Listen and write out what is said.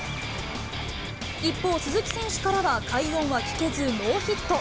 一方、鈴木選手からは快音は聞けずノーヒット。